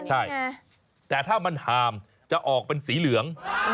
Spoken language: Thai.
ใช่แต่ถ้ามันหามจะออกเป็นสีเหลือง